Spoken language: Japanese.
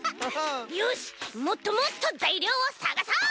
よしもっともっとざいりょうをさがそう。